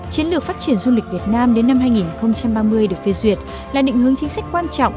chiến lược phát triển du lịch việt nam đến năm hai nghìn ba mươi được phê duyệt là định hướng chính sách quan trọng